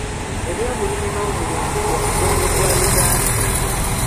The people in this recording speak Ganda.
Eby'obulimi n'obulunzi gwe mugongo gwa Uganda.